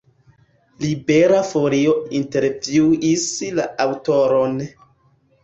Libera Folio intervjuis la aŭtoron.